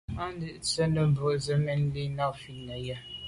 Á ndǎ’ nə̀ tswìdə̌ bwɔ́ŋkə́’ zə̄ yə̂n mɛ́n lî nâ’ fît nə̀ rə̌.